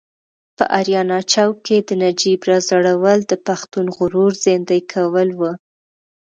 په اریانا چوک کې د نجیب راځړول د پښتون غرور زیندۍ کول و.